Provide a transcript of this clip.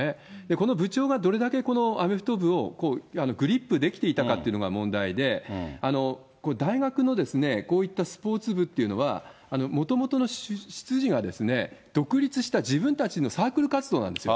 この部長が、どれだけこのアメフト部をグリップできていたかっていうのが問題で、大学のこういったスポーツ部っていうのは、もともとの出自が独立した自分たちのサークル活動なんですよ。